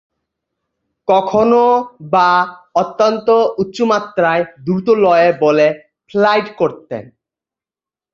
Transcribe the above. কখনোবা অত্যন্ত উঁচুমাত্রায় দ্রুতলয়ে বলে ফ্লাইট করতেন।